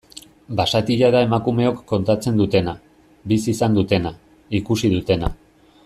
Basatia da emakumeok kontatzen dutena, bizi izan dutena, ikusi dutena.